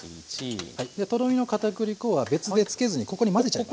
とろみの片栗粉は別でつけずにここに混ぜちゃいます。